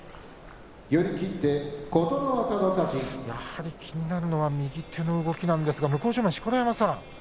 やはり気になるのは右手の動きなんですが向正面の錣山さん